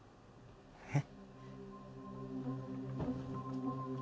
えっ？